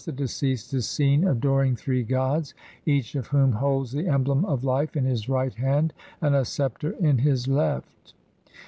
20) the deceased is seen adoring three gods, each of whom holds the emblem of life in his right hand and a sceptre in his left.